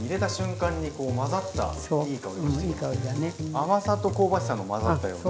甘さと香ばしさの混ざったような。